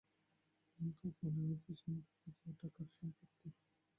অন্তু, কোণে ওই যে সিন্দুক আছে ওটা কার সম্পত্তি?